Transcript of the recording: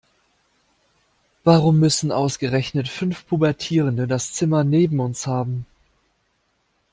Warum müssen ausgerechnet fünf Pubertierende das Zimmer neben uns haben?